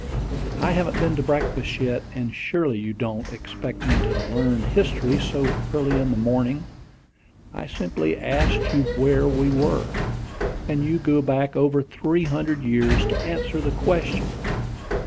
"I haven't been to breakfast yet; and surely you don't expect me to learn history so early in the morning. I simply asked you where we were, and you go back over three hundred years to answer the question."